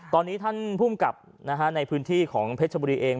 ตอนนี้ท่านภูมิกับในพื้นที่ของเพชรบุรีเอง